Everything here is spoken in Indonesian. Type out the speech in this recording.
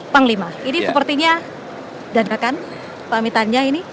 panglima ini sepertinya dadakan pamitannya ini